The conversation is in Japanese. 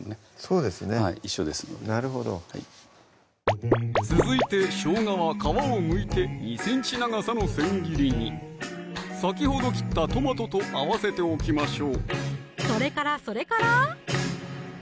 そうですね一緒ですのでなるほど続いてしょうがは皮をむいて２ｃｍ長さの千切りに先ほど切ったトマトと合わせておきましょうそれからそれから？